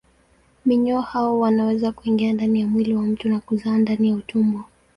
Minyoo hao wanaweza kuingia ndani ya mwili wa mtu na kuzaa ndani ya utumbo.